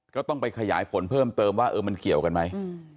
ก็ต้องไปขยายผลเพิ่มเติมว่าเออมันเกี่ยวกันไหม